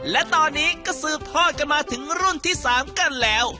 และตอนนี้ก็สืบทอดกันมาถึงรุ่นที่๓กันแล้ว